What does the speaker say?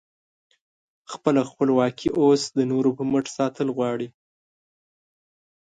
خپله خپلواکي اوس د نورو په مټ ساتل غواړې؟